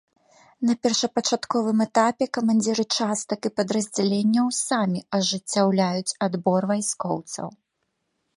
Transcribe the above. На першапачатковым этапе камандзіры частак і падраздзяленняў самі ажыццяўляюць адбор вайскоўцаў.